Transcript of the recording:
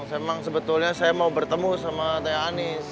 saya memang sebetulnya mau bertemu sama teh hanis